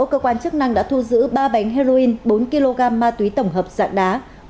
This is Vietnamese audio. cơ quan chức năng đã thu giữ ba bánh heroin bốn kg ma túy tổng hợp dạng đá